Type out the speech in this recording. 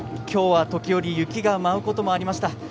きょうは時折雪が舞うこともありました。